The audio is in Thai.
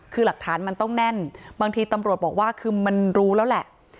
คือหลักฐานมันต้องแน่นบางทีตำรวจบอกว่าคือมันรู้แล้วแหละ